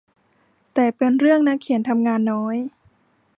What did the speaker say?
แต่เป็นเรื่องนักเขียนทำงานน้อย